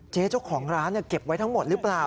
เจ้าของร้านเก็บไว้ทั้งหมดหรือเปล่า